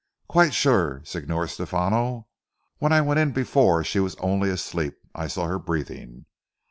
"Quite sure Signor Stephano. When I went in before she was only asleep; I saw her breathing.